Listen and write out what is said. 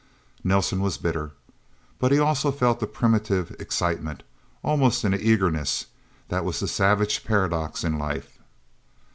Nelsen was bitter. But he also felt the primitive excitement almost an eagerness. That was the savage paradox in life.